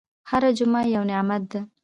هره جمعه یو نعمت ده.